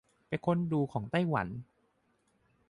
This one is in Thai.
ไปค้นดูของไต้หวัน